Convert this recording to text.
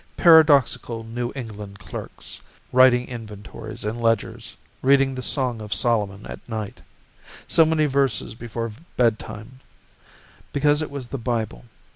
Paradoxical New England clerks, Writing inventories in ledgers, reading the "Song of Solomon" at night, So many verses before bedtime, Because it was the Bible.